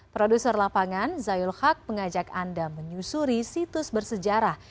produser lapangan zayul haq mengajak anda menyusuri situs bersejarah